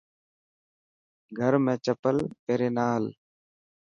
گھر ۾ چپل پيري نا هل.